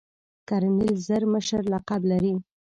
کرنیل زر مشر لقب لري.